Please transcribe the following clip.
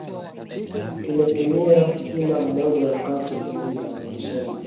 tumetumia kila moja Wakati mmoja mwendeshaji wetu